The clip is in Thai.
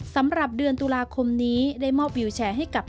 สำหรับเดือนตุลาคมนี้ได้มอบวิวแชร์ให้กับ